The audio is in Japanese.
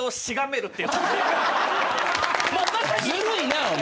ずるいなお前。